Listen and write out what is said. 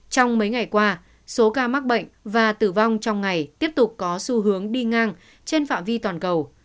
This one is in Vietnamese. trong mấy ngày qua số ca mắc bệnh và tử vong trong ngày tiếp tục có xu hướng đi ngang trên phạm vi toàn cầu